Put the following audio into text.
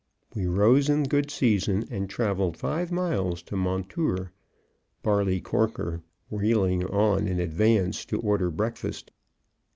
We rose in good season, and traveled five miles to Mountour, Barley Korker wheeling on in advance to order breakfast.